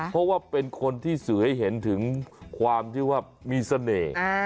เพราะว่าเป็นคนที่สื่อให้เห็นถึงความที่ว่ามีเสน่ห์